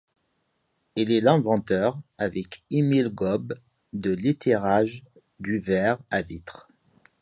Il est l'inventeur, avec Émile Gobbe, de l'étirage du verre à vitre.